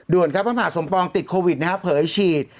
ครับพระมหาสมปองติดโควิดนะครับเผยฉีด